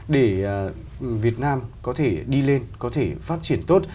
để việt nam có thể đi lên có thể phát triển tốt